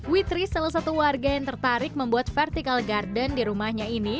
witri salah satu warga yang tertarik membuat vertical garden di rumahnya ini